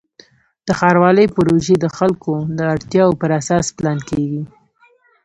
د ښاروالۍ پروژې د خلکو د اړتیاوو پر اساس پلان کېږي.